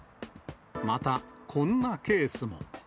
また、こんなケースも。